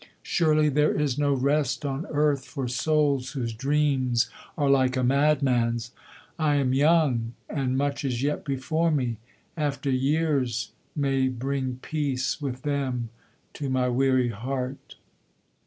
Surely there is no rest on earth for souls Whose dreams are like a madman's! I am young And much is yet before me after years May bring peace with them to my weary heart!